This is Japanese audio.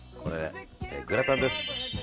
グラタンです。